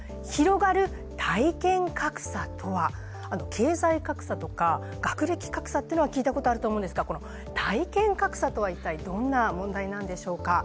経済格差とか学歴格差というのは聞いたことがあるんですが体験格差とは一体、どんな問題なんでしょうか。